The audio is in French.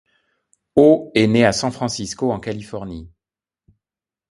Ho est née à San Francisco, en Californie.